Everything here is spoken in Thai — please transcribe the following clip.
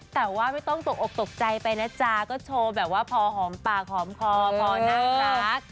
แต่ว่าไม่ต้องตกออกตกใจไปนะจ๊ะก็โชว์แบบว่าพอหอมปากหอมคอพอน่ารัก